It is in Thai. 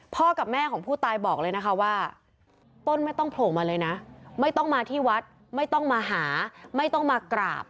กับแม่ของผู้ตายบอกเลยนะคะว่าต้นไม่ต้องโผล่มาเลยนะไม่ต้องมาที่วัดไม่ต้องมาหาไม่ต้องมากราบ